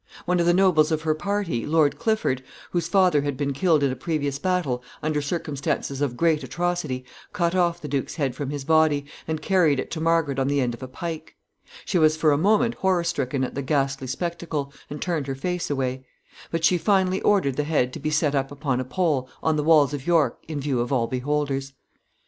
One of the nobles of her party, Lord Clifford, whose father had been killed in a previous battle under circumstances of great atrocity, cut off the duke's head from his body, and carried it to Margaret on the end of a pike. She was for a moment horror stricken at the ghastly spectacle, and turned her face away; but she finally ordered the head to be set up upon a pole on the walls of York, in view of all beholders. [Sidenote: Murder of his son.